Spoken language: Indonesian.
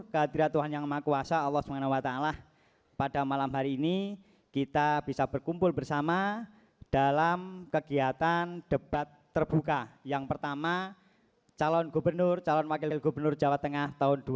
ketua bawaslu provinsi jawa tengah ketua bawaslu provinsi jawa tengah